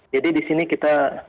jadi disini kita